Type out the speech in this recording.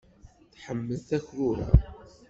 Tḥemmel takrura.